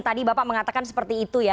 tadi bapak mengatakan seperti itu ya